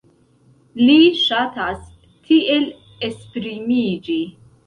Li ŝatas tiel esprimiĝi.